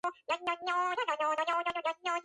პრიანკა ბავშვობაში ასთმით იყო დაავადებული.